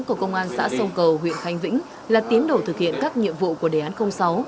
của công an xã sông cầu huyện khánh vĩnh là tiến đổ thực hiện các nhiệm vụ của đề án sáu